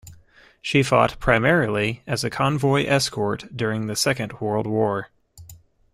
She fought primarily as a convoy escort during the Second World War.